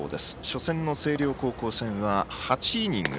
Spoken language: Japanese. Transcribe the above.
初戦の星稜高校戦は８イニング。